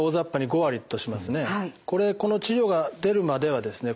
これこの治療が出るまではですね